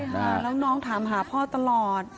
ใช่ค่ะแล้วน้องถามหาพ่อตลอด